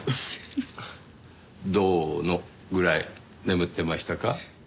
どのぐらい眠ってましたか？